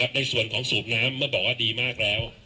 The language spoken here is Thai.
ในส่วนของสูบน้ำเมื่อบอกว่าดีมากแล้ว